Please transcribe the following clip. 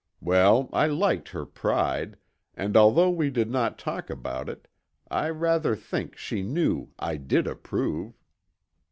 Well, I liked her pride, and although we did not talk about it, I rather think she knew I did approve."